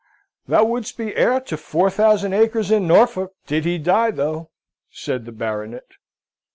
"Thou wouldst be heir to four thousand acres in Norfolk, did he die, though," said the Baronet.